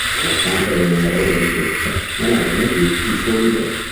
Nonostante le numerose richieste, non ebbe mai più il suo libro.